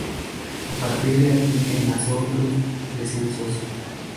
A partir de aquí enlazó otros descensos.